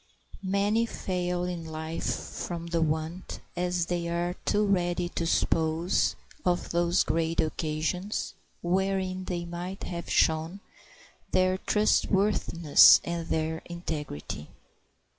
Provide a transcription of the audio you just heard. Many fail in life from the want, as they are too ready to suppose, of those great occasions wherein they might have shown their trustworthiness and their integrity.